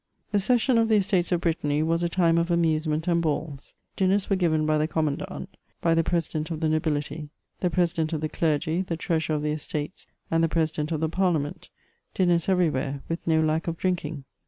The session of the Estates of Brittany was a time of amusement and balls. Dinners were g^ven by the commandant, by the president of the nobility — the president of the clergy, the treasurer of the Estates, and the president of the Parliament ; dinners every where, with no lack of drinking